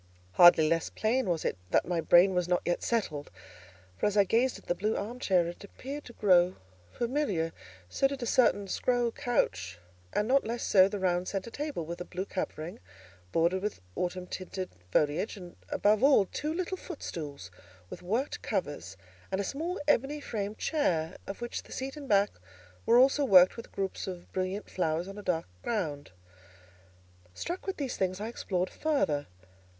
Hardly less plain was it that my brain was not yet settled; for, as I gazed at the blue arm chair, it appeared to grow familiar; so did a certain scroll couch, and not less so the round centre table, with a blue covering, bordered with autumn tinted foliage; and, above all, two little footstools with worked covers, and a small ebony framed chair, of which the seat and back were also worked with groups of brilliant flowers on a dark ground. Struck with these things, I explored further.